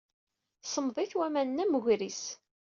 Semmḍit waman-nni am wegris.